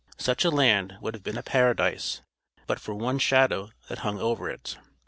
Such a land would have been a paradise, but for one shadow that hung over it.